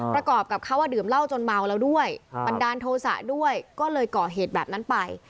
ประกอบกับเขาดื่มเหล้าจนเมาแล้วด้วยบันดาลโทษะด้วยก็เลยก่อเหตุแบบนั้นไป